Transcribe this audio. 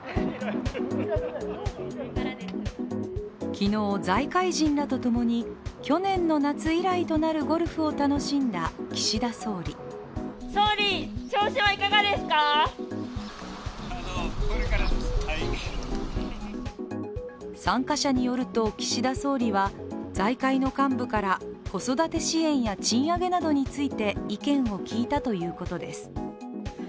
昨日、財界人らとともに去年の夏以来となるゴルフを楽しんだ岸田総理参加者によると、岸田総理は財界の幹部から子育て支援や賃上げなどについて意見を聞いたということです。